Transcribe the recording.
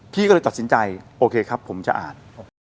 พี่ก็เลยตัดสินใจโอเคครับผมจะอ่าน